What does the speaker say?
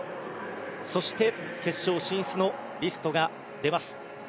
そして、決勝進出のリストが出ます。